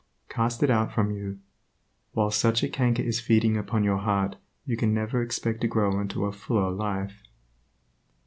Cast it out from you. While such a canker is feeding upon your heart you can never expect to grow into a fuller life.